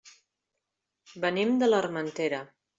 Venim de l'Armentera.